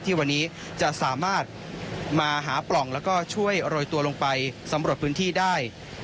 ที่วันนี้จะสามารถมาหาปล่องแล้วก็ช่วยโรยตัวลงไปสำรวจพื้นที่ได้